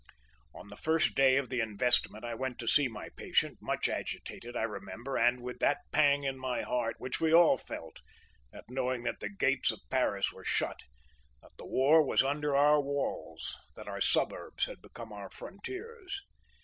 "On the first day of the investment I went to see my patient—much agitated, I remember, and with that pang in my heart which we all felt at knowing that the gates of Paris were shut, that the war was under our walls, that our suburbs had become our frontiers.